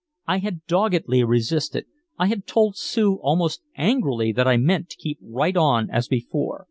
I had doggedly resisted, I had told Sue almost angrily that I meant to keep right on as before.